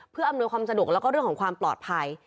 เพื่ออำนวยความสะดวกแล้วก็เรื่องของความปลอดภัย